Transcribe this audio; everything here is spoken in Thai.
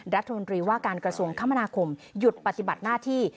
รัฐมนตรีว่าการกระทรวงคมนาคมหยุดปฏิบัติหน้าที่